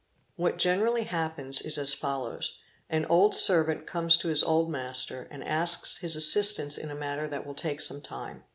What generally happens is as follows :—an old ser _ vant comes to his old master and asks his assistance in a matter + at will take some time.